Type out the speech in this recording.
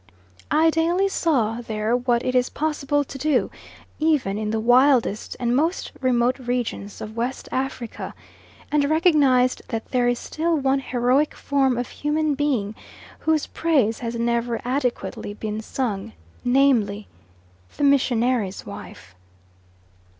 I daily saw there what it is possible to do, even in the wildest and most remote regions of West Africa, and recognised that there is still one heroic form of human being whose praise has never adequately been sung, namely, the missionary's wife.